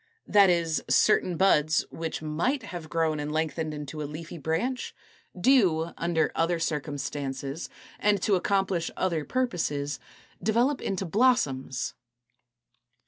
That is, certain buds, which might have grown and lengthened into a leafy branch, do, under other circumstances and to accomplish other purposes, develop into blossoms.